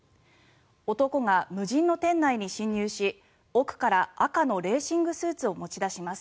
男が無人の店内に侵入し奥から赤のレーシングスーツを持ち出します。